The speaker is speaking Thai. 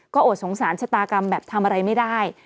โอดสงสารชะตากรรมแบบทำอะไรไม่ได้